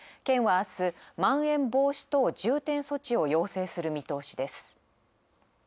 県はあす「まん延防止等重点措置」を要請する見通しです。